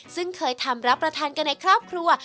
ซึ่งเคยทำรับประทานกันในครอบครัว